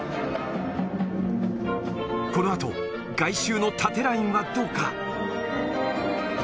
このあと外周の縦ラインはどうか。